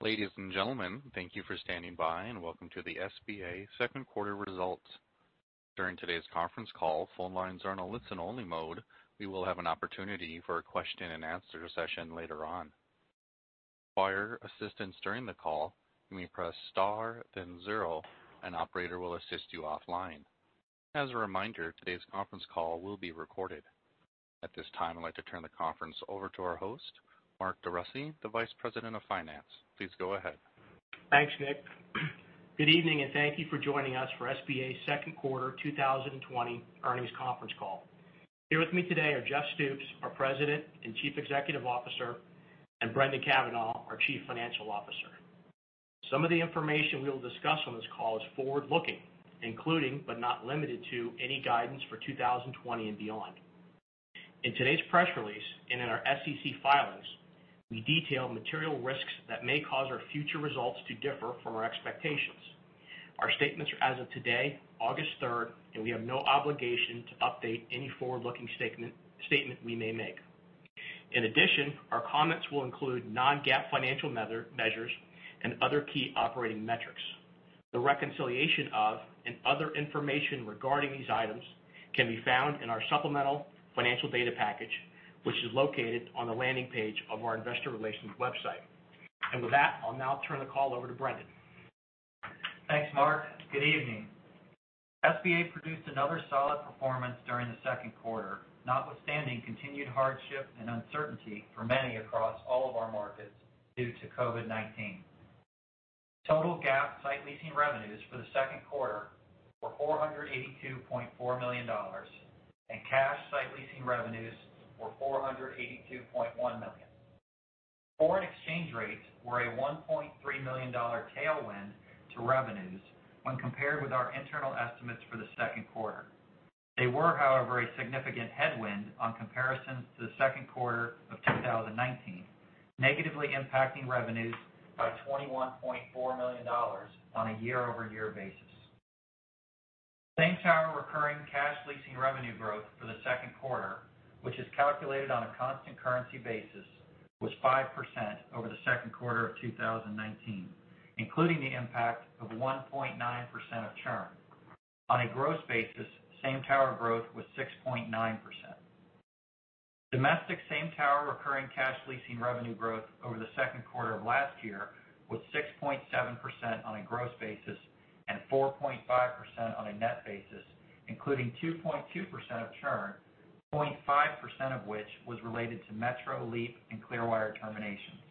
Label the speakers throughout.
Speaker 1: Ladies and gentlemen, thank you for standing by, and welcome to the SBA Q2 results. During today's conference call, phone lines are in a listen-only mode. We will have an opportunity for a Q&A session later on. If you require assistance during the call, you may press star, then zero. An operator will assist you offline. As a reminder, today's conference call will be recorded. At this time, I'd like to turn the conference over to our host, Mark DeRussy, the Vice President of Finance. Please go ahead. Thanks, Nick. Good evening, and thank you for joining us for SBA's Q2 2020 earnings conference call. Here with me today are Jeff Stoops, our President and Chief Executive Officer, and Brendan Cavanagh, our Chief Financial Officer. Some of the information we will discuss on this call is forward-looking, including, but not limited to, any guidance for 2020 and beyond. In today's press release and in our SEC filings, we detail material risks that may cause our future results to differ from our expectations. Our statements are as of today, August 3, and we have no obligation to update any forward-looking statement, statement we may make. In addition, our comments will include non-GAAP financial measures and other key operating metrics. The reconciliation of and other information regarding these items can be found in our supplemental financial data package, which is located on the landing page of our investor relations website. With that, I'll now turn the call over to Brendan.
Speaker 2: Thanks, Mark. Good evening. SBA produced another solid performance during the Q2, notwithstanding continued hardship and uncertainty for many across all of our markets due to COVID-19. Total GAAP site leasing revenues for the Q2 were $482.4 million, and cash site leasing revenues were $482.1 million. Foreign exchange rates were a $1.3 million tailwind to revenues when compared with our internal estimates for the Q2. They were, however, a significant headwind on comparison to the Q2 of 2019, negatively impacting revenues by $21.4 million on a year-over-year basis. Same tower recurring cash leasing revenue growth for the Q2, which is calculated on a constant currency basis, was 5% over the Q2 of 2019, including the impact of 1.9% of churn. On a gross basis, same tower growth was 6.9%. Domestic same-tower recurring cash leasing revenue growth over the Q2 of last year was 6.7% on a gross basis and 4.5% on a net basis, including 2.2% of churn, 0.5% of which was related to Metro, Leap, and Clearwire terminations.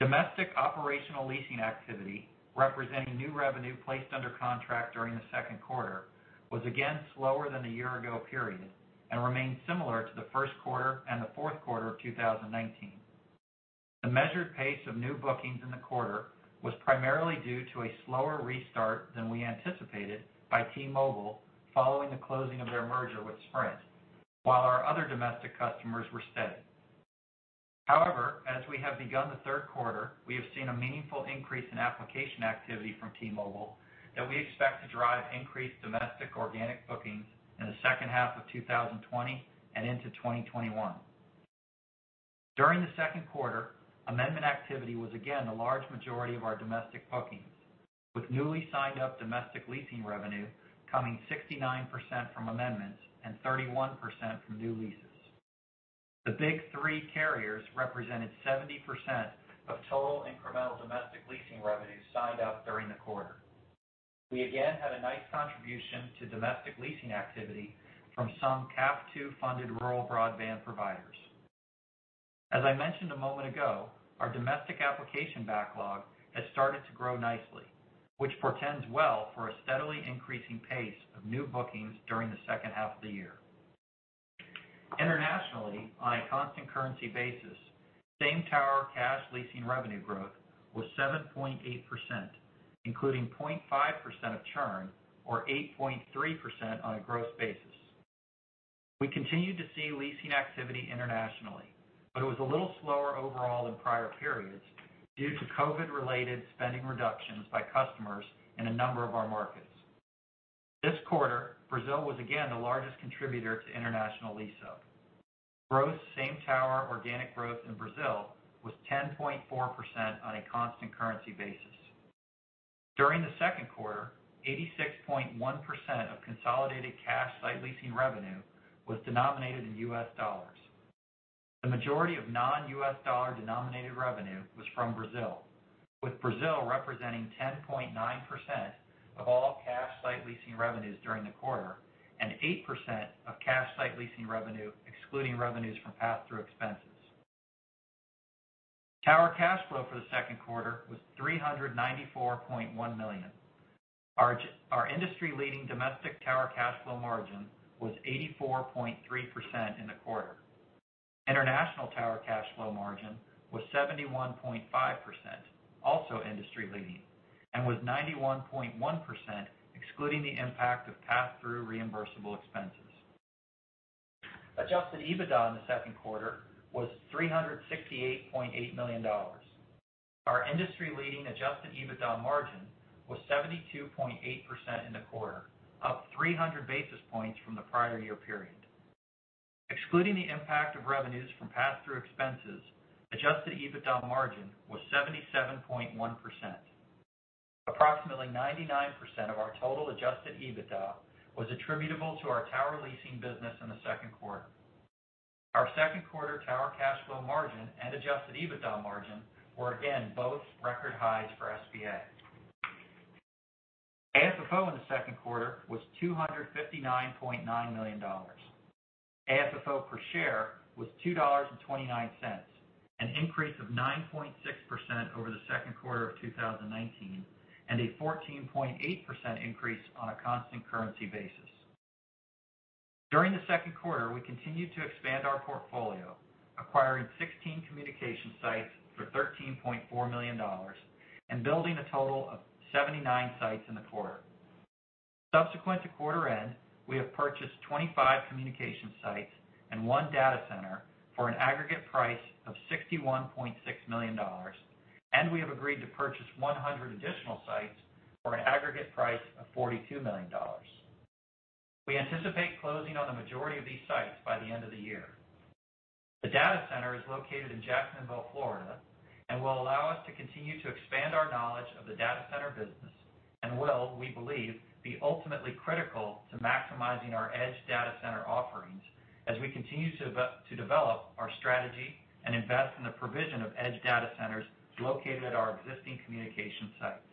Speaker 2: Domestic operational leasing activity, representing new revenue placed under contract during the Q2, was again slower than the year-ago period and remained similar to the Q1 and the Q4 of 2019. The measured pace of new bookings in the quarter was primarily due to a slower restart than we anticipated by T-Mobile following the closing of their merger with Sprint, while our other domestic customers were steady. However, as we have begun the Q3, we have seen a meaningful increase in application activity from T-Mobile that we expect to drive increased domestic organic bookings in the second half of 2020 and into 2021. During the Q2, amendment activity was again a large majority of our domestic bookings, with newly signed-up domestic leasing revenue coming 69% from amendments and 31% from new leases. The big three carriers represented 70% of total incremental domestic leasing revenues signed up during the quarter. We again had a nice contribution to domestic leasing activity from some CAF II-funded rural broadband providers. As I mentioned a moment ago, our domestic application backlog has started to grow nicely, which portends well for a steadily increasing pace of new bookings during the second half of the year. Internationally, on a constant currency basis, same-tower cash leasing revenue growth was 7.8%, including 0.5% of churn, or 8.3% on a gross basis. We continued to see leasing activity internationally, but it was a little slower overall than prior periods due to COVID-related spending reductions by customers in a number of our markets. This quarter, Brazil was again the largest contributor to international lease-up. Gross same-tower organic growth in Brazil was 10.4% on a constant currency basis. During the Q2, 86.1% of consolidated cash site leasing revenue was denominated in U.S. dollars. The majority of non-US dollar-denominated revenue was from Brazil, with Brazil representing 10.9% of all cash site leasing revenues during the quarter and 8% of cash site leasing revenue, excluding revenues from pass-through expenses. Tower cash flow for the Q2 was $394.1 million. Our our industry-leading domestic tower cash flow margin was 84.3% in the quarter. International tower cash flow margin was 71.5%, also industry-leading, and was 91.1%, excluding the impact of pass-through reimbursable expenses. Adjusted EBITDA in the Q2 was $368.8 million. Our industry-leading adjusted EBITDA margin was 72.8% in the quarter, up 300 basis points from the prior year period, excluding the impact of revenues from pass-through expenses, adjusted EBITDA margin was 77.1%. Approximately 99% of our total Adjusted EBITDA was attributable to our tower leasing business in the Q2. Our Q2 Tower Cash Flow margin and Adjusted EBITDA margin were again both record highs for SBA. AFFO in the Q2 was $259.9 million. AFFO per share was $2.29, an increase of 9.6% over the Q2 of 2019, and a 14.8% increase on a constant currency basis. During the Q2, we continued to expand our portfolio, acquiring 16 communication sites for $13.4 million and building a total of 79 sites in the quarter. Subsequent to quarter end, we have purchased 25 communication sites and one data center for an aggregate price of $61.6 million, and we have agreed to purchase 100 additional sites for an aggregate price of $42 million. We anticipate closing on the majority of these sites by the end of the year. The data center is located in Jacksonville, Florida, and will allow us to continue to expand our knowledge of the data center business, and will, we believe, be ultimately critical to maximizing our edge data center offerings as we continue to to develop our strategy and invest in the provision of edge data centers located at our existing communication sites.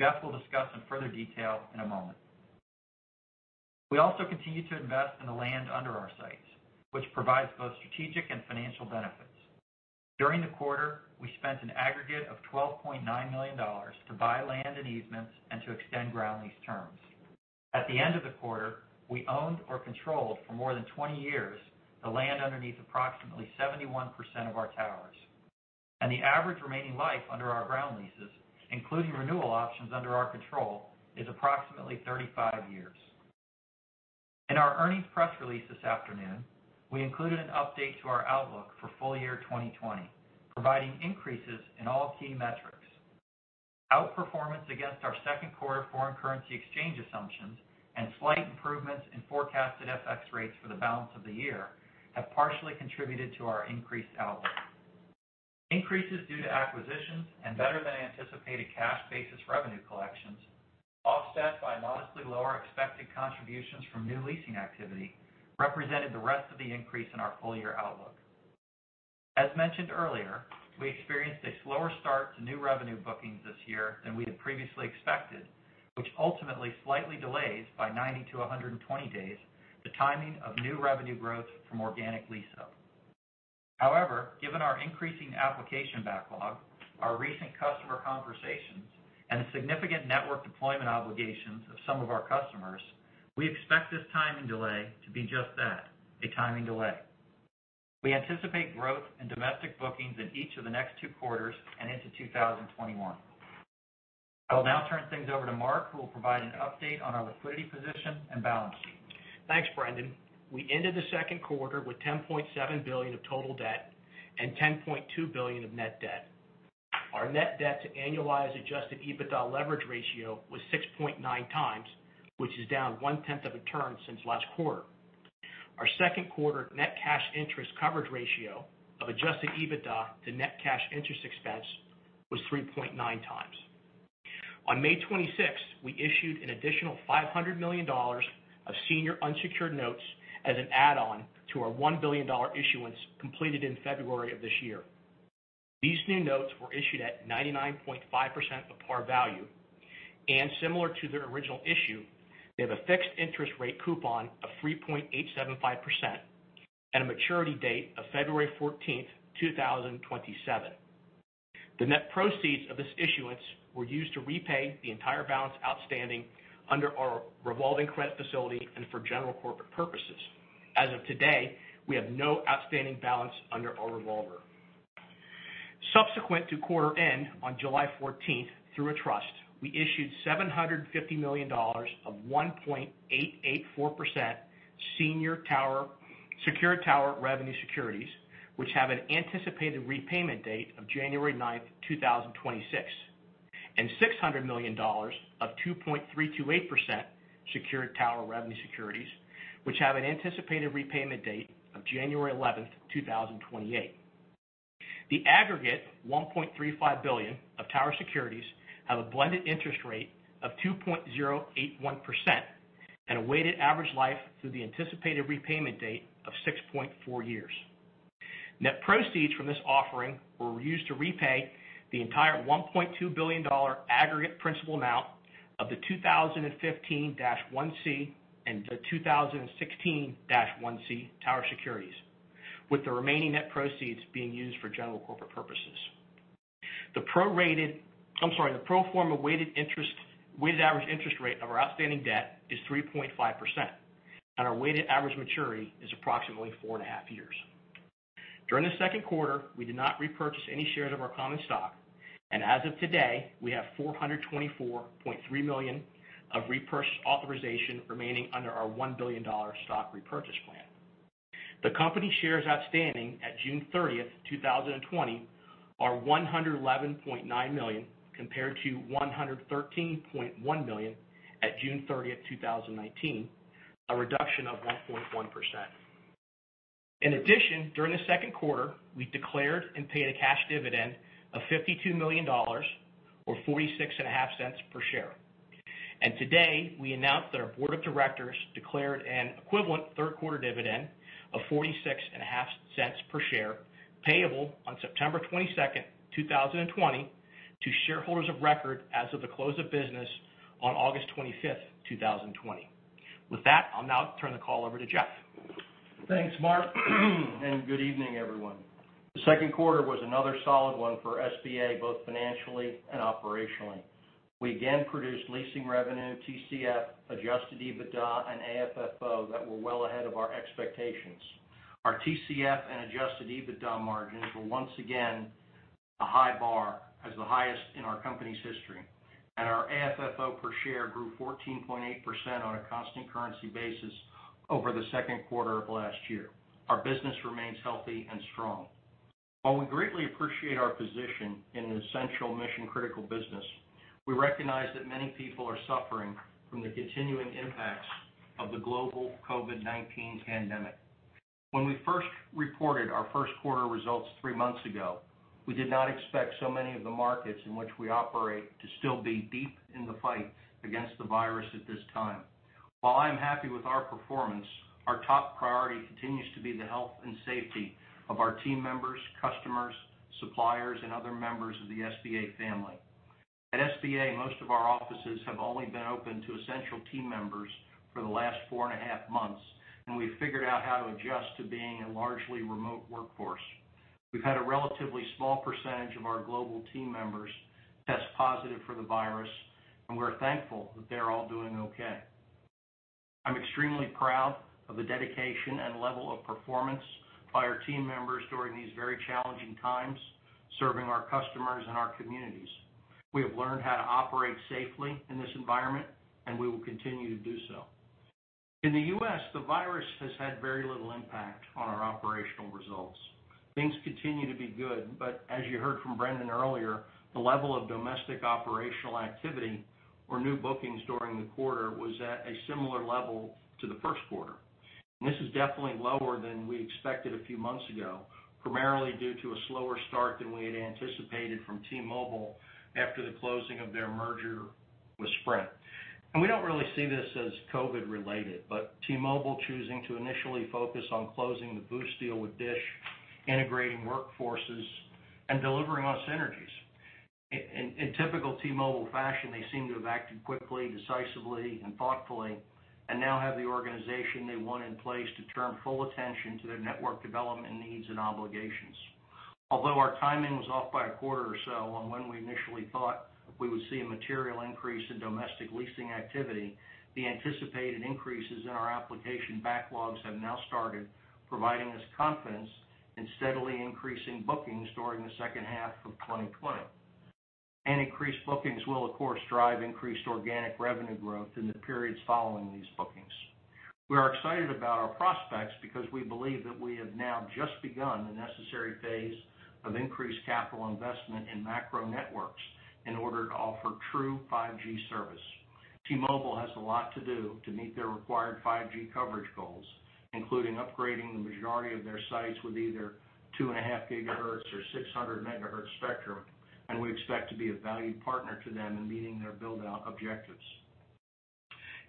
Speaker 2: Jeff will discuss in further detail in a moment. We also continue to invest in the land under our sites, which provides both strategic and financial benefits. During the quarter, we spent an aggregate of $12.9 million to buy land and easements and to extend ground lease terms. At the end of the quarter, we owned or controlled, for more than 20 years, the land underneath approximately 71% of our towers, and the average remaining life under our ground leases, including renewal options under our control, is approximately 35 years. In our earnings press release this afternoon, we included an update to our outlook for full year 2020, providing increases in all key metrics. Outperformance against our Q2 foreign currency exchange assumptions and slight improvements in forecasted FX rates for the balance of the year have partially contributed to our increased outlook. Increases due to acquisitions and better than anticipated cash basis revenue collections, offset by modestly lower expected contributions from new leasing activity, represented the rest of the increase in our full year outlook. As mentioned earlier, we experienced a slower start to new revenue bookings this year than we had previously expected, which ultimately slightly delays by 90-120 days, the timing of new revenue growth from organic lease-up. However, given our increasing application backlog, our recent customer conversations, and the significant network deployment obligations of some of our customers, we expect this timing delay to be just that, a timing delay. We anticipate growth in domestic bookings in each of the next two quarters and into 2021. I will now turn things over to Mark, who will provide an update on our liquidity position and balance sheet.
Speaker 3: Thanks, Brendan. We ended the Q2 with $10.7 billion of total debt and $10.2 billion of net debt. Our net debt to annualized Adjusted EBITDA leverage ratio was 6.9 times, which is down 0.1 of a turn since last quarter. Our Q2 net cash interest coverage ratio of Adjusted EBITDA to net cash interest expense was 3.9x. On May 26th, we issued an additional $500 million of senior unsecured notes as an add-on to our $1 billion issuance completed in February of this year. These new notes were issued at 99.5% of par value, and similar to their original issue, they have a fixed interest rate coupon of 3.875% and a maturity date of February 14th, 2027. The net proceeds of this issuance were used to repay the entire balance outstanding under our revolving credit facility and for general corporate purposes. As of today, we have no outstanding balance under our revolver. Subsequent to quarter end, on July fourteenth, through a trust, we issued $750 million of 1.884% senior secured tower revenue securities, which have an anticipated repayment date of January ninth, 2026, and $600 million of 2.328% secured tower revenue securities, which have an anticipated repayment date of January eleventh, 2028. The aggregate $1.35 billion of tower securities have a blended interest rate of 2.081% and a weighted average life through the anticipated repayment date of 6.4 years. Net proceeds from this offering were used to repay the entire $1.2 billion aggregate principal amount of the 2015-1C and the 2016-1C tower securities, with the remaining net proceeds being used for general corporate purposes. The prorated-- I'm sorry, the pro forma weighted interest-- weighted average interest rate of our outstanding debt is 3.5%, and our weighted average maturity is approximately 4.5 years. During the Q2, we did not repurchase any shares of our common stock, and as of today, we have $424.3 million of repurchase authorization remaining under our $1 billion stock repurchase plan. The company shares outstanding at June 30, 2020 are $111.9 million, compared to $113.1 million at June 30, 2019, a reduction of 1.1%. In addition, during the Q2, we declared and paid a cash dividend of $52 million, or $0.465 per share. Today, we announced that our board of directors declared an equivalent Q3 dividend of $0.465 per share, payable on September 22, 2020, to shareholders of record as of the close of business on August 25, 2020. With that, I'll now turn the call over to Jeff.
Speaker 4: Thanks, Mark, and good evening, everyone. The Q2 was another solid one for SBA, both financially and operationally. We again produced leasing revenue, TCF, Adjusted EBITDA, and AFFO that were well ahead of our expectations. Our TCF and Adjusted EBITDA margins were once again a high bar as the highest in our company's history, and our AFFO per share grew 14.8% on a constant currency basis over the Q2 of last year. Our business remains healthy and strong. While we greatly appreciate our position in an essential mission-critical business, we recognize that many people are suffering from the continuing impacts of the global COVID-19 pandemic. When we first reported our Q1 results three months ago, we did not expect so many of the markets in which we operate to still be deep in the fight against the virus at this time. While I am happy with our performance, our top priority continues to be the health and safety of our team members, customers, suppliers, and other members of the SBA family. At SBA, most of our offices have only been open to essential team members for the last four and a half months, and we've figured out how to adjust to being a largely remote workforce. We've had a relatively small percentage of our global team members test positive for the virus, and we're thankful that they're all doing okay. I'm extremely proud of the dedication and level of performance by our team members during these very challenging times, serving our customers and our communities. We have learned how to operate safely in this environment, and we will continue to do so. In the U.S., the virus has had very little impact on our operational results. Things continue to be good, but as you heard from Brendan earlier, the level of domestic operational activity or new bookings during the quarter was at a similar level to the Q1. This is definitely lower than we expected a few months ago, primarily due to a slower start than we had anticipated from T-Mobile after the closing of their merger with Sprint. We don't really see this as COVID-related, but T-Mobile choosing to initially focus on closing the Boost deal with Dish, integrating workforces and delivering on synergies. In typical T-Mobile fashion, they seem to have acted quickly, decisively, and thoughtfully, and now have the organization they want in place to turn full attention to their network development needs and obligations. Although our timing was off by a quarter or so on when we initially thought we would see a material increase in domestic leasing activity, the anticipated increases in our application backlogs have now started providing us confidence in steadily increasing bookings during the second half of 2020. Increased bookings will, of course, drive increased organic revenue growth in the periods following these bookings. We are excited about our prospects because we believe that we have now just begun the necessary phase of increased capital investment in macro networks in order to offer true 5G service. T-Mobile has a lot to do to meet their required 5G coverage goals, including upgrading the majority of their sites with either 2.5 GHz or 600 MHz spectrum, and we expect to be a valued partner to them in meeting their build-out objectives.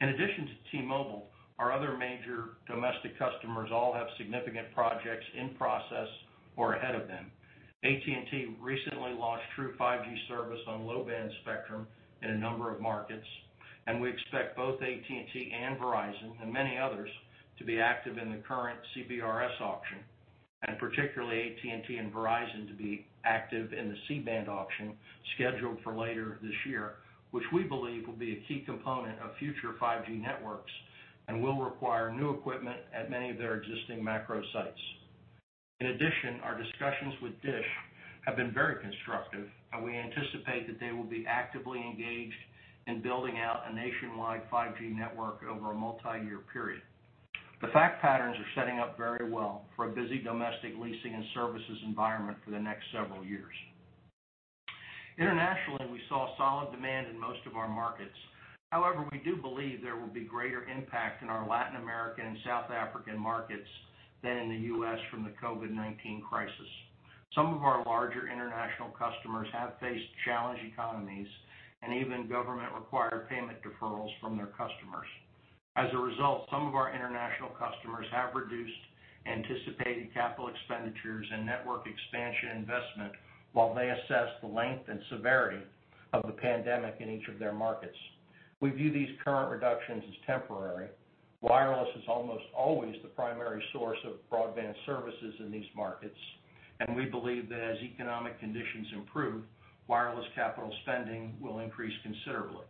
Speaker 4: In addition to T-Mobile, our other major domestic customers all have significant projects in process or ahead of them. AT&T recently launched true 5G service on low-band spectrum in a number of markets, and we expect both AT&T and Verizon and many others to be active in the current CBRS auction, and particularly AT&T and Verizon to be active in the C-band auction scheduled for later this year, which we believe will be a key component of future 5G networks and will require new equipment at many of their existing macro sites. In addition, our discussions with Dish have been very constructive, and we anticipate that they will be actively engaged in building out a nationwide 5G network over a multiyear period. The fact patterns are setting up very well for a busy domestic leasing and services environment for the next several years. Internationally, we saw solid demand in most of our markets. However, we do believe there will be greater impact in our Latin American and South African markets than in the U.S. from the COVID-19 crisis. Some of our larger international customers have faced challenged economies and even government-required payment deferrals from their customers. As a result, some of our international customers have reduced anticipated capital expenditures and network expansion investment while they assess the length and severity of the pandemic in each of their markets. We view these current reductions as temporary. Wireless is almost always the primary source of broadband services in these markets, and we believe that as economic conditions improve, wireless capital spending will increase considerably.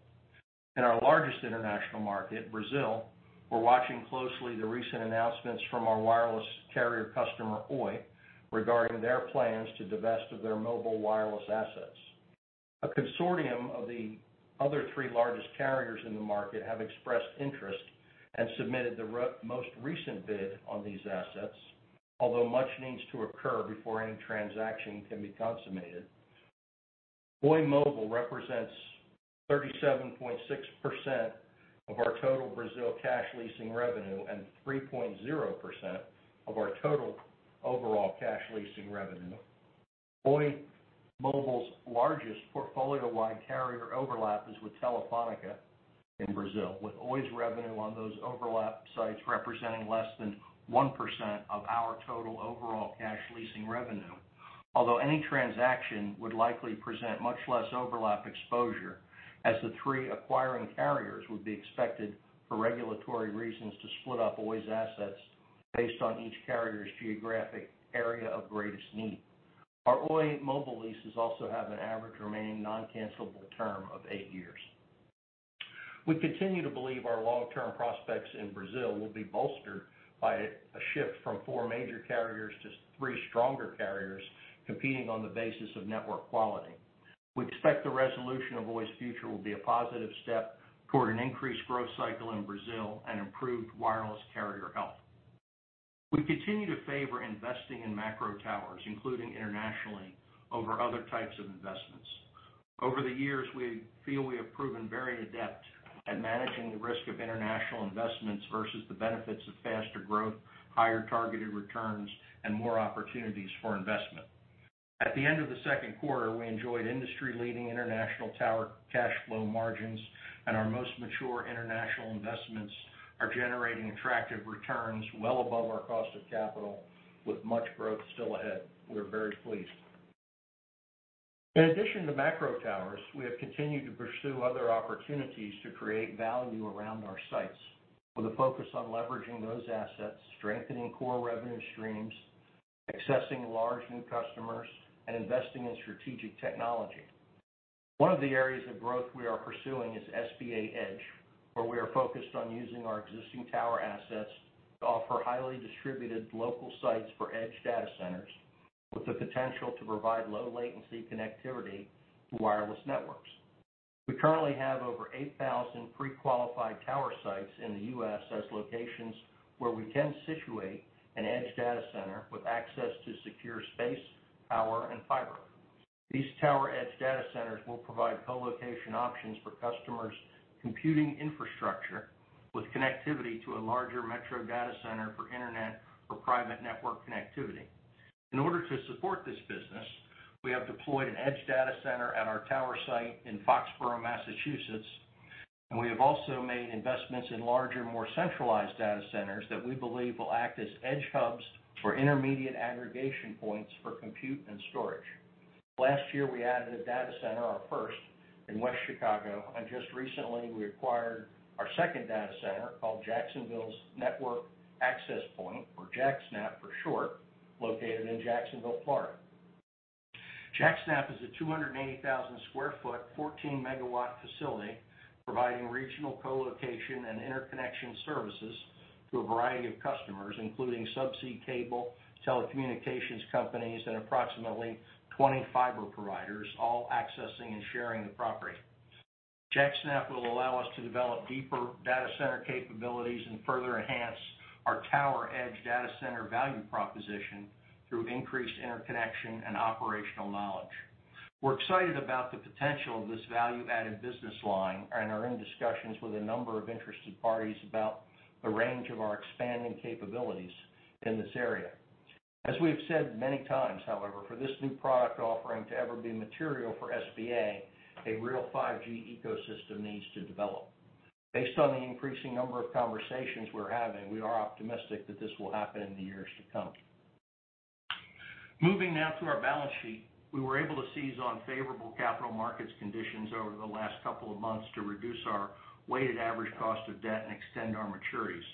Speaker 4: In our largest international market, Brazil, we're watching closely the recent announcements from our wireless carrier customer, Oi, regarding their plans to divest of their mobile wireless assets. A consortium of the other three largest carriers in the market have expressed interest and submitted the most recent bid on these assets, although much needs to occur before any transaction can be consummated. Oi Mobile represents 37.6% of our total Brazil cash leasing revenue and 3.0% of our total overall cash leasing revenue. Oi Mobile's largest portfolio-wide carrier overlap is with Telefonica in Brazil, with Oi's revenue on those overlap sites representing less than 1% of our total overall cash leasing revenue. Although any transaction would likely present much less overlap exposure, as the three acquiring carriers would be expected, for regulatory reasons, to split up Oi's assets based on each carrier's geographic area of greatest need. Our Oi Mobile leases also have an average remaining non-cancellable term of eight years. We continue to believe our long-term prospects in Brazil will be bolstered by a shift from four major carriers to three stronger carriers competing on the basis of network quality. We expect the resolution of Oi's future will be a positive step toward an increased growth cycle in Brazil and improved wireless carrier health. We continue to favor investing in macro towers, including internationally, over other types of investments. Over the years, we feel we have proven very adept at managing the risk of international investments versus the benefits of faster growth, higher targeted returns, and more opportunities for investment. At the end of the Q2, we enjoyed industry-leading international tower cash flow margins, and our most mature international investments are generating attractive returns well above our cost of capital, with much growth still ahead. We're very pleased. In addition to macro towers, we have continued to pursue other opportunities to create value around our sites, with a focus on leveraging those assets, strengthening core revenue streams, accessing large new customers, and investing in strategic technology. One of the areas of growth we are pursuing is SBA Edge, where we are focused on using our existing tower assets to offer highly distributed local sites for edge data centers, with the potential to provide low latency connectivity to wireless networks. We currently have over 8,000 pre-qualified tower sites in the U.S. as locations where we can situate an edge data center with access to secure space, power, and fiber. These tower edge data centers will provide co-location options for customers' computing infrastructure, with connectivity to a larger metro data center for internet or private network connectivity. In order to support this business, we have deployed an edge data center at our tower site in Foxborough, Massachusetts, and we have also made investments in larger, more centralized data centers that we believe will act as edge hubs for intermediate aggregation points for compute and storage. Last year, we added a data center, our first, in West Chicago, and just recently, we acquired our second data center, called Jacksonville Network Access Point, or JaxNAP for short, located in Jacksonville, Florida. JaxNAP is a 280,000 sq ft, 14-megawatt facility, providing regional co-location and interconnection services to a variety of customers, including subsea cable, telecommunications companies, and approximately 20 fiber providers, all accessing and sharing the property. JaxNAP will allow us to develop deeper data center capabilities and further enhance our tower edge data center value proposition through increased interconnection and operational knowledge. We're excited about the potential of this value-added business line and are in discussions with a number of interested parties about the range of our expanding capabilities in this area. As we've said many times, however, for this new product offering to ever be material for SBA, a real 5G ecosystem needs to develop. Based on the increasing number of conversations we're having, we are optimistic that this will happen in the years to come. Moving now to our balance sheet. We were able to seize on favorable capital markets conditions over the last couple of months to reduce our weighted average cost of debt and extend our maturities.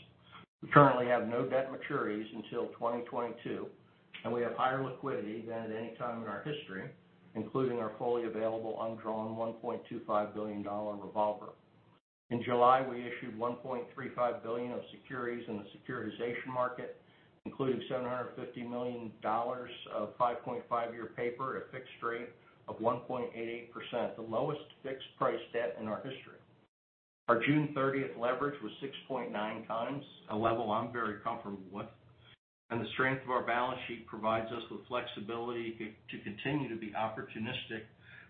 Speaker 4: We currently have no debt maturities until 2022, and we have higher liquidity than at any time in our history, including our fully available, undrawn $1.25 billion revolver. In July, we issued $1.35 billion of securities in the securitization market, including $750 million of 5.5-year paper at a fixed rate of 1.88%, the lowest fixed price debt in our history. Our June 30th leverage was 6.9x, a level I'm very comfortable with, and the strength of our balance sheet provides us with flexibility to continue to be opportunistic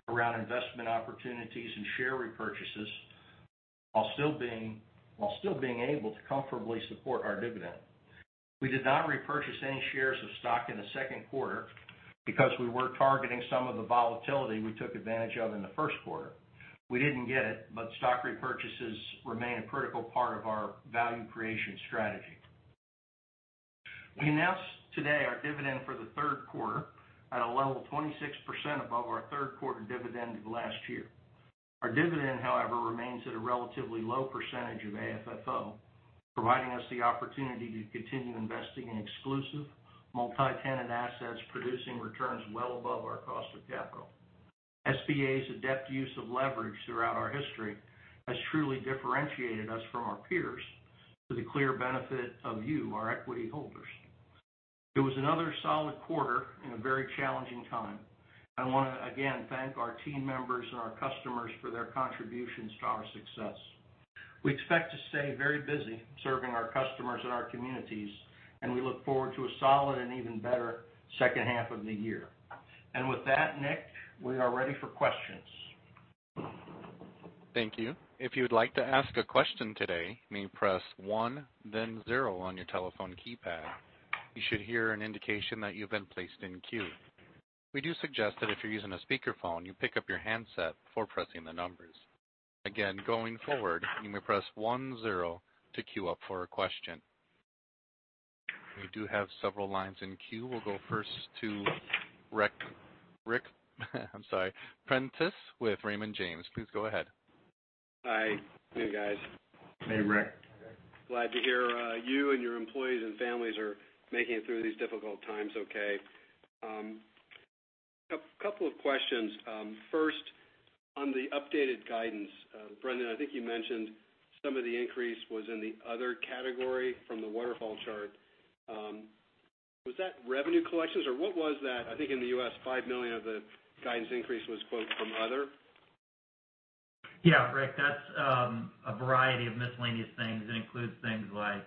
Speaker 4: around investment opportunities and share repurchases, while still being able to comfortably support our dividend. We did not repurchase any shares of stock in the Q2 because we were targeting some of the volatility we took advantage of in the Q1. We didn't get it, but stock repurchases remain a critical part of our value creation strategy. We announce today our dividend for the Q3 at a level 26% above our Q3 dividend of last year. Our dividend, however, remains at a relatively low percentage of AFFO, providing us the opportunity to continue investing in exclusive multi-tenant assets, producing returns well above our cost of capital. SBA's adept use of leverage throughout our history has truly differentiated us from our peers, to the clear benefit of you, our equity holders. It was another solid quarter in a very challenging time. I wanna, again, thank our team members and our customers for their contributions to our success. We expect to stay very busy serving our customers and our communities, and we look forward to a solid and even better second half of the year. And with that, Nick, we are ready for questions.
Speaker 1: Thank you. If you'd like to ask a question today, you may press one, then zero on your telephone keypad. You should hear an indication that you've been placed in queue. We do suggest that if you're using a speakerphone, you pick up your handset before pressing the numbers. Again, going forward, you may press one-zero to queue up for a question. We do have several lines in queue. We'll go first to Ric Prentiss with Raymond James. Please go ahead.
Speaker 5: Hi. Hey, guys.
Speaker 4: Hey, Rick.
Speaker 5: Glad to hear you and your employees and families are making it through these difficult times okay. A couple of questions. First, on the updated guidance, Brendan, I think you mentioned some of the increase was in the other category from the waterfall chart. Was that revenue collections, or what was that? I think in the U.S., $5 million of the guidance increase was quote, from other.
Speaker 2: Yeah, Rick, that's a variety of miscellaneous things. It includes things like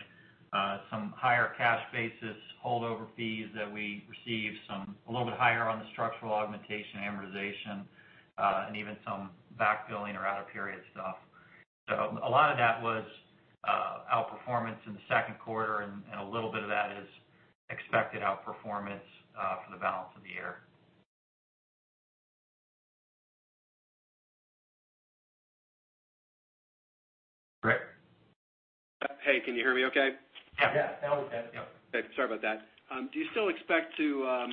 Speaker 2: some higher cash basis holdover fees that we received, some a little bit higher on the structural augmentation amortization, and even some backfilling or out-of-period stuff. So a lot of that was outperformance in the Q2, and a little bit of that is expected outperformance for the balance of the year.
Speaker 5: Hey, can you hear me okay?
Speaker 2: Yeah. Now we can. Yeah.
Speaker 5: Okay, sorry about that. Do you still expect to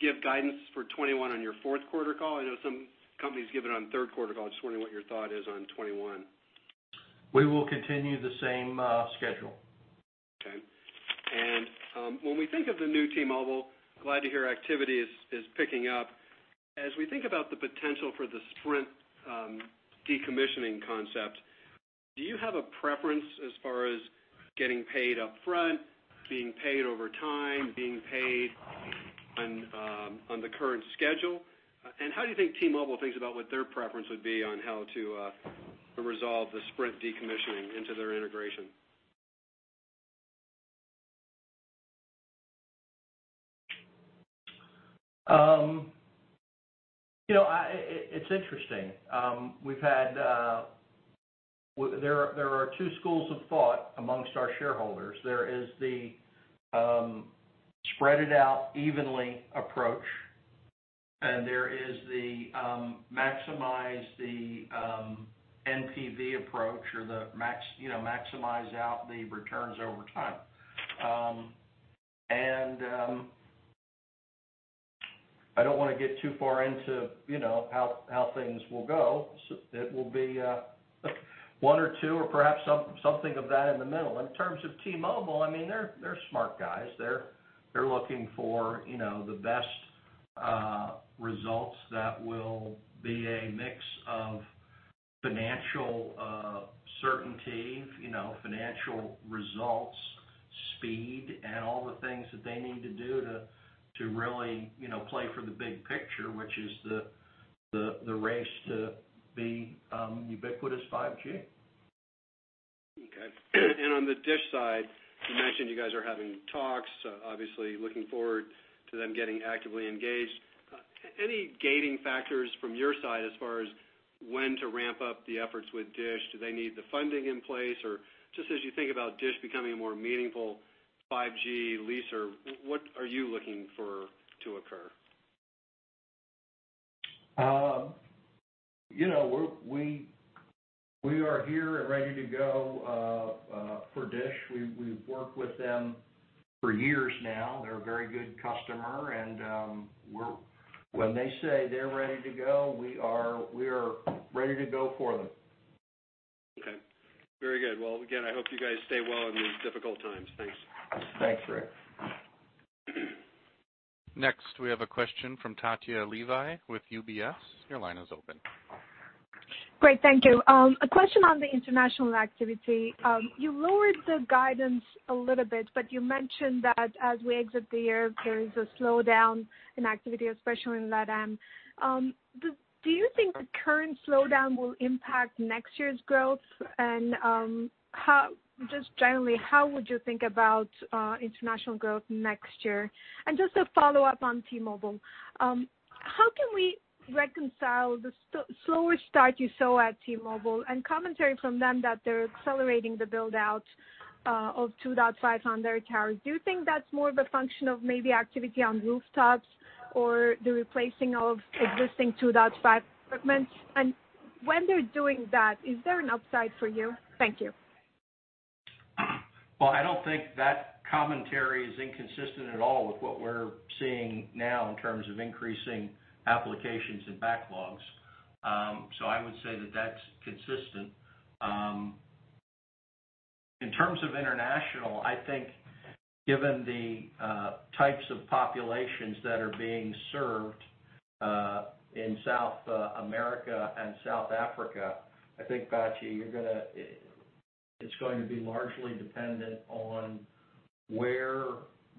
Speaker 5: give guidance for 2021 on your Q4 call? I know some companies give it on Q3 call. I'm just wondering what your thought is on 2021.
Speaker 4: We will continue the same schedule.
Speaker 5: Okay. And when we think of the new T-Mobile, glad to hear activity is picking up. As we think about the potential for the Sprint decommissioning concept, do you have a preference as far as getting paid upfront, being paid over time, being paid on the current schedule? And how do you think T-Mobile thinks about what their preference would be on how to resolve the Sprint decommissioning into their integration?
Speaker 4: You know, it's interesting. We've had, there are two schools of thought amongst our shareholders. There is the spread it out evenly approach, and there is the maximize the NPV approach or the maximize out the returns over time. I don't wanna get too far into, you know, how things will go. So it will be one or two or perhaps something of that in the middle. In terms of T-Mobile, I mean, they're smart guys. They're looking for, you know, the best results that will be a mix of financial certainty, you know, financial results, speed, and all the things that they need to do to really, you know, play for the big picture, which is the race to the ubiquitous 5G.
Speaker 5: Okay. And on the Dish side, you mentioned you guys are having talks, obviously looking forward to them getting actively engaged. Any gating factors from your side as far as when to ramp up the efforts with Dish? Do they need the funding in place, or just as you think about Dish becoming a more meaningful 5G leaser, what are you looking for to occur?
Speaker 4: You know, we are here and ready to go for Dish. We've worked with them for years now. They're a very good customer, and we're. When they say they're ready to go, we are ready to go for them.
Speaker 5: Okay, very good. Well, again, I hope you guys stay well in these difficult times. Thanks.
Speaker 4: Thanks, Rick.
Speaker 1: Next, we have a question from Batya Levi with UBS. Your line is open.
Speaker 6: Great. Thank you. A question on the international activity. You lowered the guidance a little bit, but you mentioned that as we exit the year, there is a slowdown in activity, especially in LatAm. Do you think the current slowdown will impact next year's growth? And just generally, how would you think about international growth next year? And just a follow-up on T-Mobile. How can we reconcile the slower start you saw at T-Mobile and commentary from them that they're accelerating the build-out of 2.5 on their towers? Do you think that's more of a function of maybe activity on rooftops or the replacing of existing 2.5 equipment? And when they're doing that, is there an upside for you? Thank you.
Speaker 4: Well, I don't think that commentary is inconsistent at all with what we're seeing now in terms of increasing applications and backlogs. So I would say that that's consistent. In terms of international, I think given the types of populations that are being served in South America and South Africa, I think, Batya, you're gonna... It's going to be largely dependent on where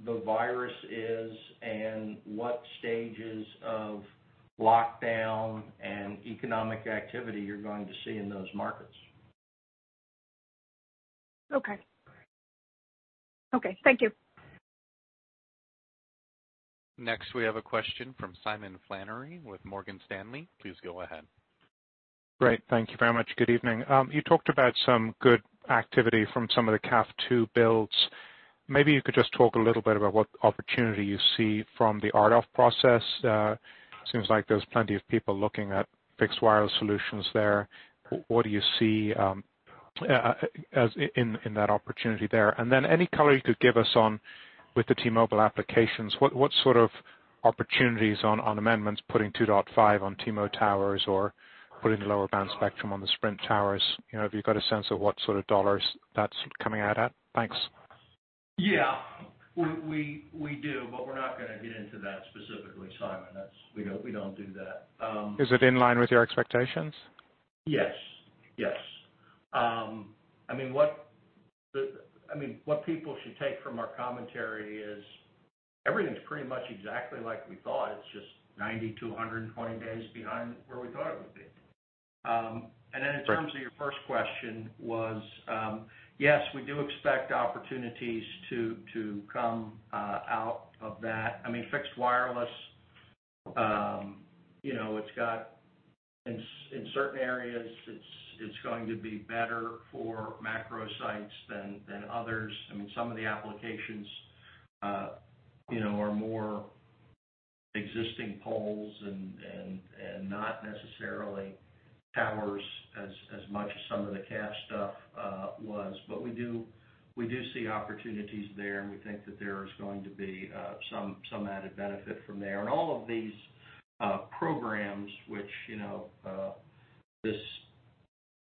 Speaker 4: the virus is and what stages of lockdown and economic activity you're going to see in those markets.
Speaker 6: Okay, thank you.
Speaker 1: Next, we have a question from Simon Flannery with Morgan Stanley. Please go ahead.
Speaker 7: Great. Thank you very much. Good evening. You talked about some good activity from some of the CAF II builds. Maybe you could just talk a little bit about what opportunity you see from the RDOF process. Seems like there's plenty of people looking at fixed wireless solutions there. What do you see, as in, in that opportunity there? And then any color you could give us on with the T-Mobile applications, what, what sort of opportunities on, on amendments, putting 2.5 on T-Mo towers or putting the lower band spectrum on the Sprint towers? You know, have you got a sense of what sort of $ that's coming out at? Thanks.
Speaker 4: Yeah, we do, but we're not gonna get into that specifically, Simon. That's, we don't do that.
Speaker 7: Is it in line with your expectations?
Speaker 4: Yes. I mean, what the, I mean, what people should take from our commentary is everything's pretty much exactly like we thought. It's just 90-120 days behind where we thought it would be. And then...
Speaker 7: Right...
Speaker 4: in terms of your first question was, yes, we do expect opportunities to come out of that. I mean, fixed wireless, you know, it's got, in certain areas, it's going to be better for macro sites than others. I mean, some of the applications, you know, are more existing poles and not necessarily towers as much as some of the CAF stuff was. But we do see opportunities there, and we think that there is going to be some added benefit from there. And all of these programs, which, you know, this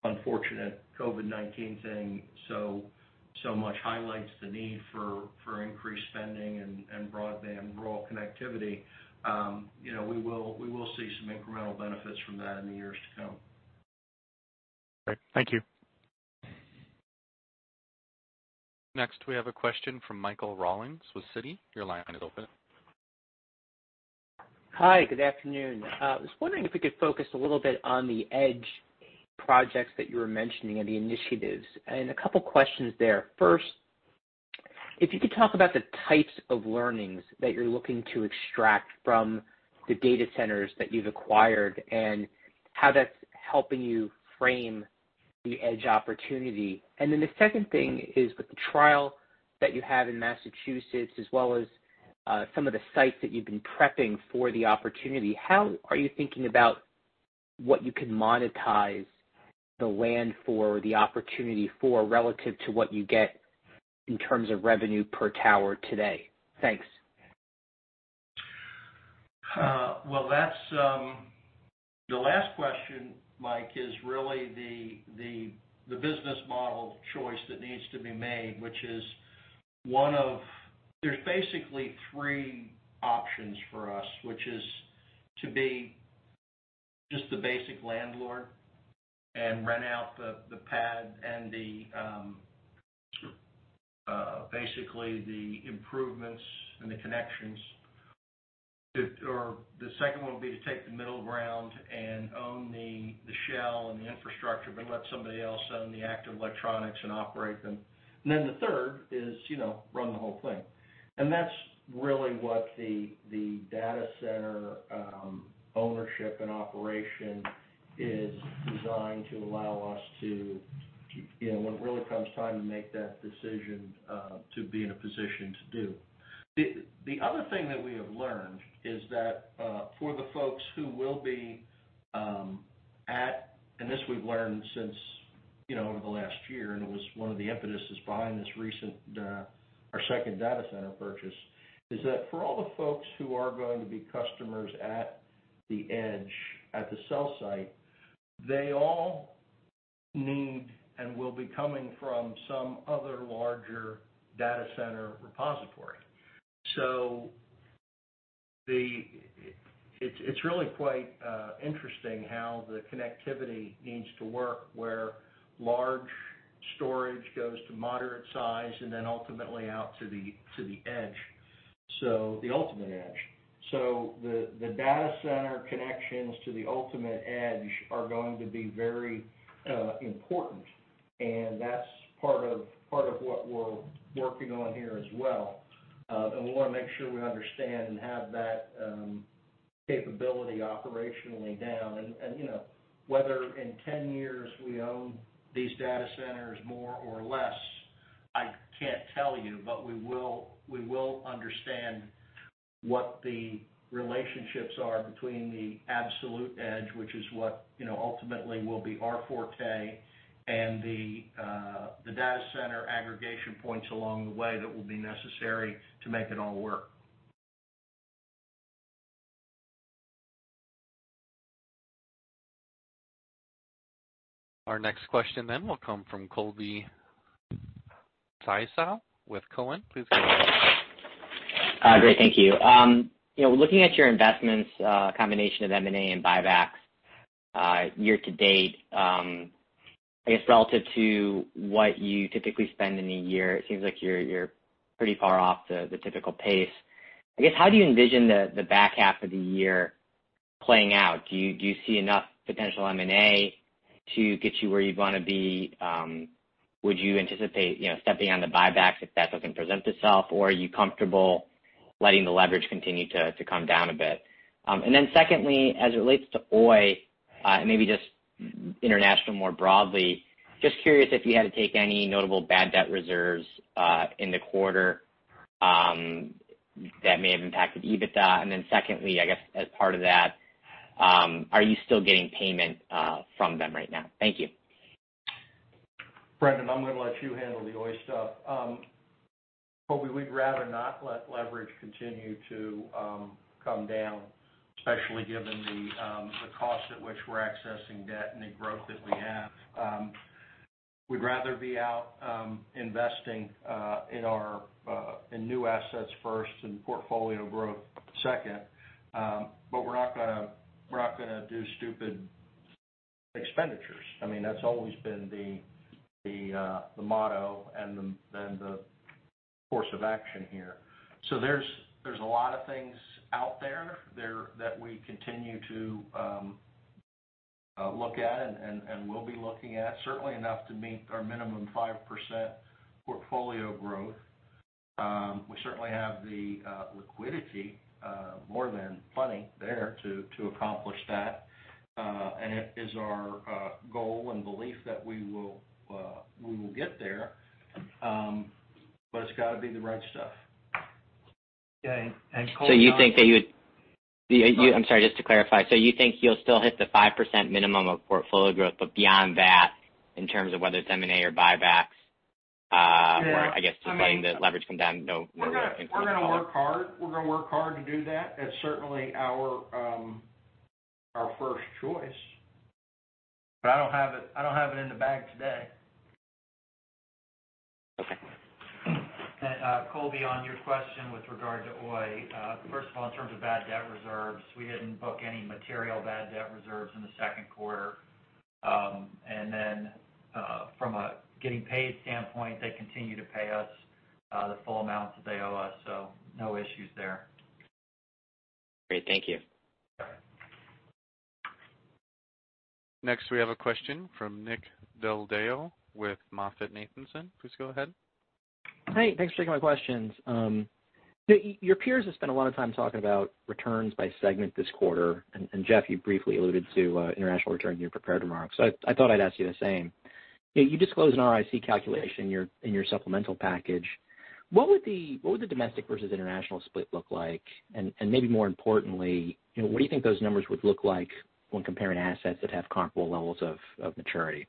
Speaker 4: unfortunate COVID-19 thing so much highlights the need for increased spending and broadband rural connectivity, you know, we will see some incremental benefits from that in the years to come.
Speaker 7: Great. Thank you.
Speaker 1: Next, we have a question from Michael Rollins with Citi. Your line is open.
Speaker 8: Hi, good afternoon. I was wondering if we could focus a little bit on the edge projects that you were mentioning and the initiatives. A couple of questions there. First, if you could talk about the types of learnings that you're looking to extract from the data centers that you've acquired and how that's helping you frame the edge opportunity. Then the second thing is, with the trial that you have in Massachusetts, as well as some of the sites that you've been prepping for the opportunity, how are you thinking about what you can monetize the land for, the opportunity for, relative to what you get in terms of revenue per tower today? Thanks.
Speaker 4: Well, that's the last question, Mike, is really the business model choice that needs to be made, which is one of, there's basically three options for us, which is to be just the basic landlord and rent out the pad and basically the improvements and the connections. Or the second one would be to take the middle ground and own the shell and the infrastructure, but let somebody else own the active electronics and operate them. And then the third is, you know, run the whole thing. And that's really what the data center ownership and operation is designed to allow us to, you know, when it really comes time to make that decision, to be in a position to do. The other thing that we have learned is that for the folks who will be, and this we've learned since, you know, over the last year, and it was one of the impetuses behind this recent our second data center purchase, is that for all the folks who are going to be customers at the edge, at the cell site, they all need and will be coming from some other larger data center repository. So it's really quite interesting how the connectivity needs to work, where large storage goes to moderate size and then ultimately out to the edge, so the ultimate edge. So the data center connections to the ultimate edge are going to be very important, and that's part of, part of what we're working on here as well. We want to make sure we understand and have that capability operationally down. You know, whether in 10 years we own these data centers more or less, I can't tell you, but we will, we will understand what the relationships are between the absolute edge, which is what, you know, ultimately will be our forte, and the data center aggregation points along the way that will be necessary to make it all work.
Speaker 1: Our next question then, will come from Colby Synesael with Cowen, please go ahead.
Speaker 9: Great. Thank you. You know, looking at your investments, combination of M&A and buybacks, year to date, I guess relative to what you typically spend in a year, it seems like you're pretty far off the typical pace. I guess, how do you envision the back half of the year playing out? Do you see enough potential M&A to get you where you want to be? Would you anticipate, you know, stepping on the buybacks if that something presents itself, or are you comfortable letting the leverage continue to come down a bit? And then secondly, as it relates to Oi, maybe just international more broadly, just curious if you had to take any notable bad debt reserves in the quarter that may have impacted EBITDA. And then secondly, I guess, as part of that, are you still getting payment from them right now? Thank you.
Speaker 4: Brendan, I'm gonna let you handle the Oi stuff. But we would rather not let leverage continue to come down, especially given the cost at which we're accessing debt and the growth that we have. We'd rather be out investing in our new assets first and portfolio growth second. But we're not gonna, we're not gonna do stupid expenditures. I mean, that's always been the motto and the course of action here. So there's a lot of things out there that we continue to look at and will be looking at. Certainly enough to meet our minimum 5% portfolio growth. We certainly have the liquidity more than plenty there to accomplish that. And it is our goal and belief that we will get there. But it's gotta be the right stuff.
Speaker 1: Okay, and Colby-
Speaker 9: So you think that you would... I'm sorry, just to clarify, so you think you'll still hit the 5% minimum of portfolio growth, but beyond that, in terms of whether it's M&A or buybacks.
Speaker 4: Yeah
Speaker 9: Or I guess, just letting the leverage come down, no-
Speaker 4: We're gonna, work hard. We're gonna work hard to do that. That's certainly our, our first choice, but I don't have it, I don't have it in the bag today.
Speaker 9: Okay.
Speaker 2: And, Colby, on your question with regard to Oi, first of all, in terms of bad debt reserves, we didn't book any material bad debt reserves in the Q2. And then, from a getting paid standpoint, they continue to pay us the full amounts that they owe us, so no issues there.
Speaker 9: Great. Thank you.
Speaker 1: Next, we have a question from Nick Del Deo with MoffettNathanson. Please go ahead.
Speaker 10: Hey, thanks for taking my questions. Your peers have spent a lot of time talking about returns by segment this quarter. And Jeff, you briefly alluded to international return in your prepared remarks, so I thought I'd ask you the same. You disclose an ROIC calculation in your supplemental package. What would the domestic versus international split look like? And maybe more importantly, you know, what do you think those numbers would look like when comparing assets that have comparable levels of maturity?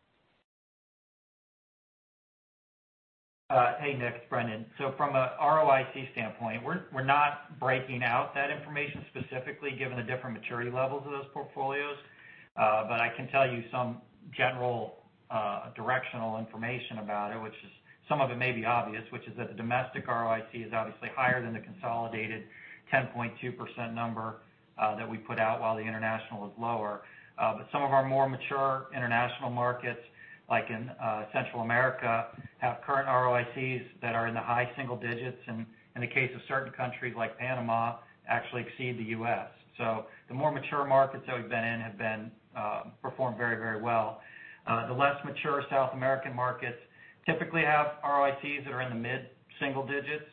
Speaker 2: Hey, Nick, it's Brendan. So from a ROIC standpoint, we're not breaking out that information specifically, given the different maturity levels of those portfolios. But I can tell you some general directional information about it, which is, some of it may be obvious, which is that the domestic ROIC is obviously higher than the consolidated 10.2% number that we put out, while the international is lower. But some of our more mature international markets, like in Central America, have current ROICs that are in the high single digits, and in the case of certain countries like Panama, actually exceed the U.S. So the more mature markets that we've been in have performed very, very well. The less mature South American markets typically have ROICs that are in the mid-single digits.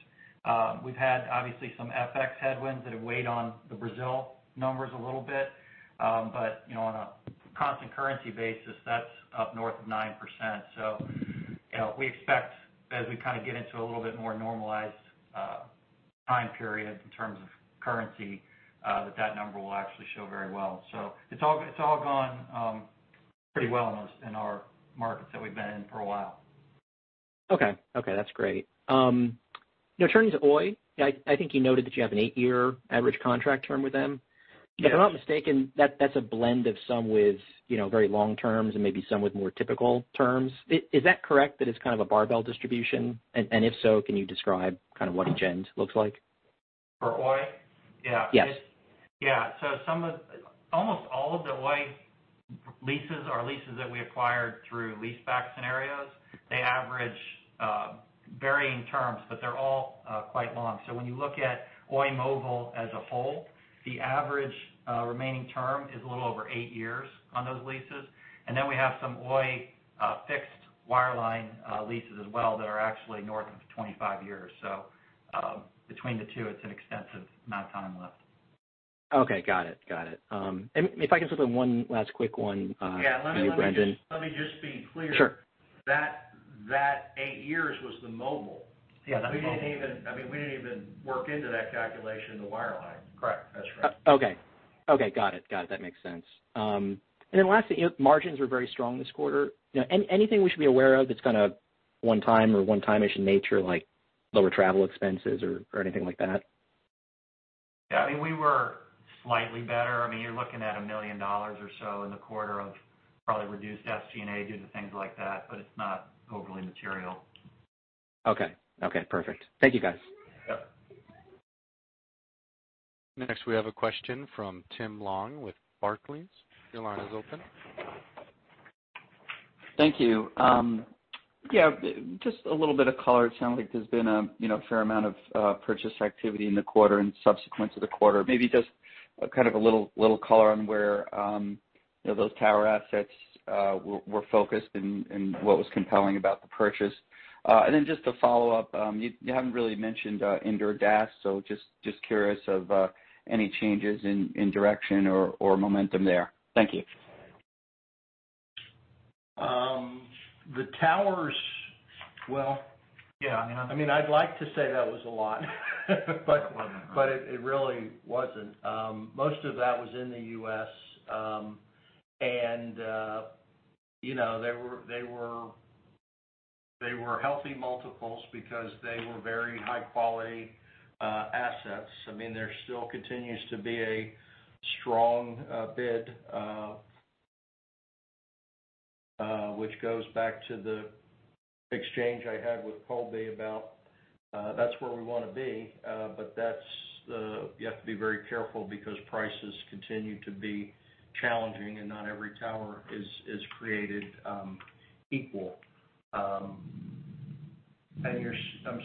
Speaker 2: We've had, obviously, some FX headwinds that have weighed on the Brazil numbers a little bit. But, you know, on a constant currency basis, that's up north of 9%. So, you know, we expect, as we kind of get into a little bit more normalized, time period in terms of currency, that that number will actually show very well. So it's all, it's all gone, pretty well in those, in our markets that we've been in for a while.
Speaker 10: Okay, that's great. Now turning to Oi, I think you noted that you have an eight-year average contract term with them.
Speaker 2: Yes.
Speaker 10: If I'm not mistaken, that's a blend of some with, you know, very long terms and maybe some with more typical terms. Is that correct, that it's kind of a barbell distribution? And if so, can you describe kind of what each end looks like?
Speaker 2: For Oi? Yeah.
Speaker 10: Yes.
Speaker 2: Yeah. So some of, almost all of the Oi leases are leases that we acquired through leaseback scenarios. They average, varying terms, but they're all, quite long. So when you look at Oi Mobile as a whole, the average, remaining term is a little over 8 years on those leases. And then we have some Oi, fixed wireline, leases as well, that are actually north of 25 years. So, between the two, it's an extensive amount of time left.
Speaker 10: Okay, got it. Got it. And if I can just put one last quick one,
Speaker 4: Yeah...
Speaker 11: Brendan.
Speaker 4: Let me just, let me just be clear.
Speaker 10: Sure.
Speaker 4: That 8 years was the mobile.
Speaker 10: Yeah, that was mobile.
Speaker 4: We didn't even, I mean, we didn't even work into that calculation, the wireline.
Speaker 2: Correct. That's right.
Speaker 10: Okay, got it. Got it. That makes sense. And then lastly, you know, margins were very strong this quarter. You know, anything we should be aware of that's kind of one time or one-time issue in nature, like lower travel expenses or anything like that?
Speaker 2: Yeah, I mean, we were slightly better. I mean, you're looking at $1 million or so in the quarter of probably reduced SG&A due to things like that, but it's not overly material.
Speaker 10: Okay, perfect. Thank you, guys.
Speaker 2: Yep.
Speaker 1: Next, we have a question from Tim Long with Barclays. Your line is open.
Speaker 12: Thank you. Yeah, just a little bit of color. It sounds like there's been a, you know, fair amount of purchase activity in the quarter and subsequent to the quarter. Maybe just kind of a little color on where, you know, those tower assets were focused and what was compelling about the purchase. And then just to follow up, you haven't really mentioned indoor DAS, so just curious of any changes in direction or momentum there. Thank you.
Speaker 4: Well, yeah, I mean, I'd like to say that was a lot, but it really wasn't. Most of that was in the U.S. You know, they were healthy multiples because they were very high quality assets. I mean, there still continues to be a strong bid, which goes back to the exchange I had with Colby about that's where we wanna be. But that's, you have to be very careful because prices continue to be challenging, and not every tower is created equal. I'm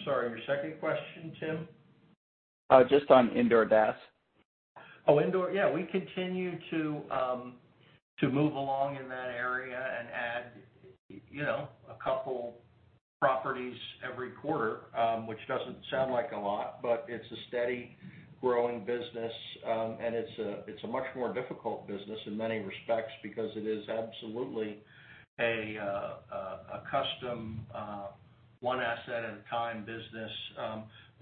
Speaker 4: sorry, your second question, Tim?
Speaker 12: Just on indoor DAS.
Speaker 4: Oh, indoor. Yeah, we continue to move along in that area and add, you know, a couple properties every quarter, which doesn't sound like a lot, but it's a steady growing business. And it's a, it's a much more difficult business in many respects because it is absolutely a, a custom, one asset at a time business.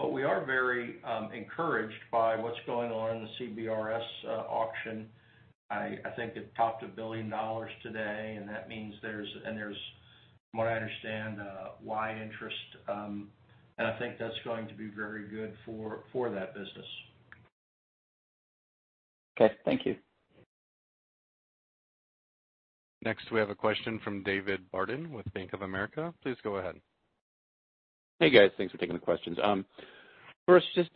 Speaker 4: But we are very encouraged by what's going on in the CBRS auction. I think it topped $1 billion today, and that means there's, and there's, from what I understand, a wide interest, and I think that's going to be very good for, for that business.
Speaker 12: Okay, thank you.
Speaker 1: Next, we have a question from David Barden with Bank of America. Please go ahead.
Speaker 13: Hey, guys. Thanks for taking the questions. First, just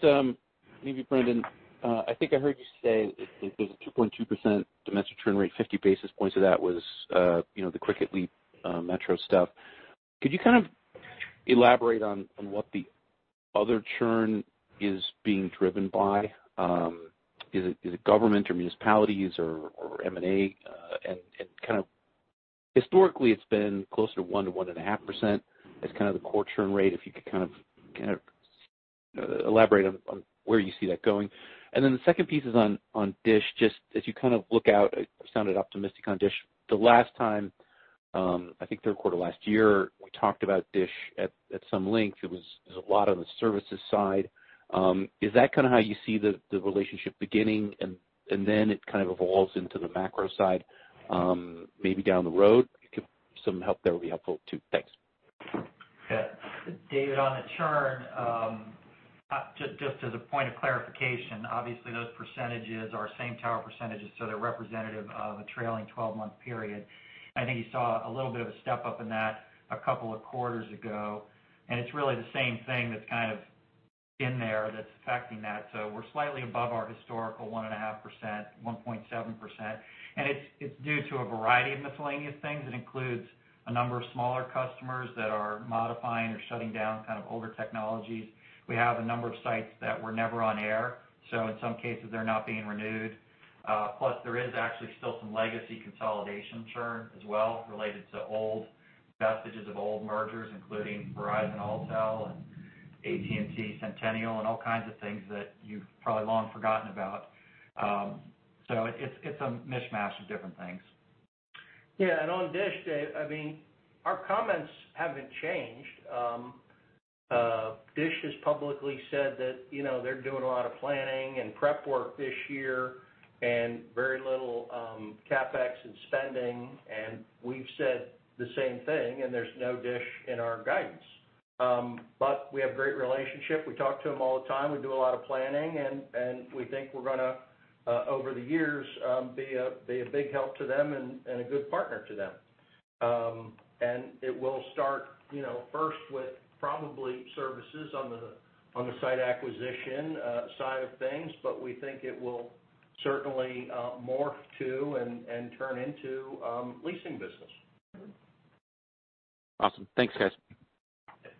Speaker 13: maybe, Brendon, I think I heard you say it, there's a 2.2% domestic churn rate, 50 basis points of that was, you know, the Cricket Leap, Metro stuff. Could you kind of elaborate on what the other churn is being driven by? Is it government or municipalities or M&A? And kind of historically, it's been closer to 1%-1.5%. That's kind of the core churn rate, if you could kind of elaborate on where you see that going. And then the second piece is on Dish. Just as you kind of look out, it sounded optimistic on Dish. The last time, I think Q3 last year, we talked about Dish at some length. It was a lot on the services side. Is that kind of how you see the relationship beginning, and then it kind of evolves into the macro side, maybe down the road? If you could some help, that would be helpful, too. Thanks.
Speaker 2: Yeah. David, on the churn, just, just as a point of clarification, obviously, those percentages are same tower percentages, so they're representative of a trailing twelve-month period. I think you saw a little bit of a step up in that a couple of quarters ago, and it's really the same thing that's kind of in there that's affecting that. So we're slightly above our historical 1.5%, 1.7%, and it's due to a variety of miscellaneous things. It includes a number of smaller customers that are modifying or shutting down kind of older technologies. We have a number of sites that were never on air, so in some cases they're not being renewed. Plus, there is actually still some legacy consolidation churn as well, related to old vestiges of old mergers, including Verizon and Alltel and AT&T and Centennial, and all kinds of things that you've probably long forgotten about. So it's a mishmash of different things.
Speaker 4: Yeah, and on Dish, Dave, I mean, our comments haven't changed. Dish has publicly said that, you know, they're doing a lot of planning and prep work this year and very little, CapEx and spending, and we've said the same thing, and there's no Dish in our guidance. But we have great relationship. We talk to them all the time. We do a lot of planning, and, and we think we're gonna, over the years, be a, be a big help to them and, and a good partner to them. And it will start, you know, first with probably services on the, on the site acquisition, side of things, but we think it will certainly, morph to and, and turn into, leasing business.
Speaker 13: Awesome. Thanks, guys.
Speaker 2: Okay.